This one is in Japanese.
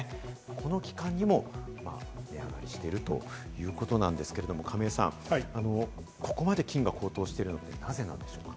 この期間にも値上がりしているということなんですけど亀井さん、ここまで金が高騰しているのはなぜなんでしょうか？